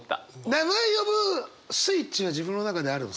名前呼ぶスイッチは自分の中であるんですか？